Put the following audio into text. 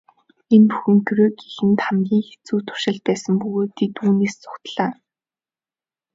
Энэ бүхэн Кюрегийнхэнд хамгийн хэцүү туршилт байсан бөгөөд тэд үүнээс зугтлаа.